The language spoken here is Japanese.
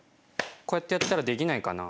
こうやってやったらできないかな？